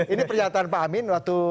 ini perjalanan pak amin